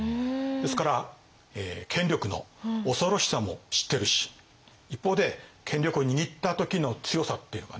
ですから権力の恐ろしさも知ってるし一方で権力を握った時の強さっていうのかね